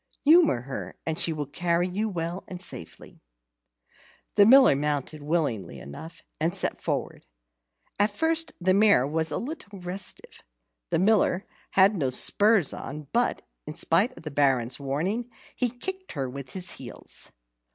Humour her, and she will carry you well and safely." The Miller mounted willingly enough, and set forward. At first the mare was a little restive. The Miller had no spurs on, but, in spite of the Baron's warning, he kicked her with his heels.